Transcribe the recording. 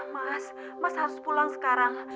mas mas harus pulang sekarang